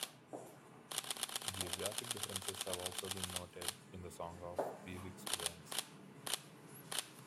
Geographic differences have also been noted in the song of Bewick's wrens.